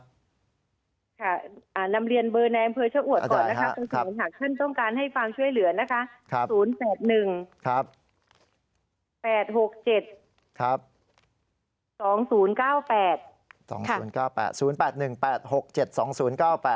โทรศัพท์หนามเรียนเบอร์ในอำเภอชะอวดก่อนนะคะคุณสมมุติหากท่านต้องการฟังช่วยเหลือนะคะ